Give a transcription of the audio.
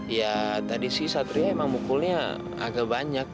ya tadi sih satria emang mukulnya agak banyak